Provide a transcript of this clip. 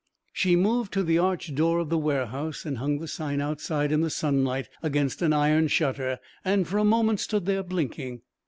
She moved to the arched door of the warehouse and hung the sign outside in the sunlight against an iron shutter and for a moment stood there blinking.